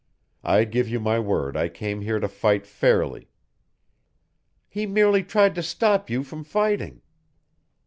I give you my word I came here to fight fairly " "He merely tried to stop you from fighting."